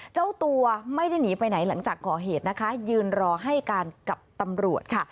เจ้าตัวไม่ได้หนีไปไหนหลังจากก่อเหตุนะคะยืนรอให้การกับตำรวจค่ะ